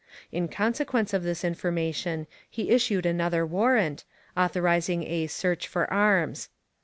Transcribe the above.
In consequence of this information he issued another warrant, authorizing a 'search for arms.'